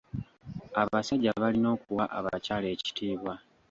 Abasajja balina okuwa abakyala ekitiibwa.